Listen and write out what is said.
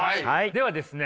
ではですね